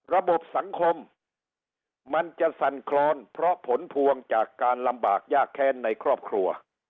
ระบบสังคมมันจะสั่นคลอนเพราะผลพวงจากการลำบากยากแค้นในครอบครัว